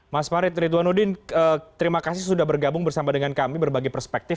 mas farid ridwanudin terima kasih sudah bergabung bersama dengan kami berbagi perspektif